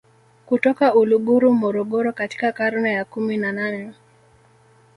kutoka Uluguru Morogoro katika karne ya kumi na nane